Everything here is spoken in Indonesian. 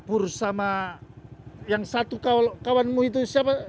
bersama yang satu kawanmu itu siapa